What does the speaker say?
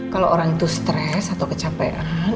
kalau orang itu stres atau kecapean